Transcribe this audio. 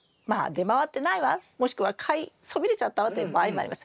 「出回ってないわ」もしくは「買いそびれちゃったわ」っていう場合もあります。